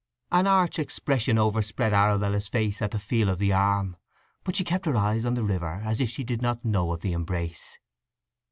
An arch expression overspread Arabella's face at the feel of the arm, but she kept her eyes on the river as if she did not know of the embrace.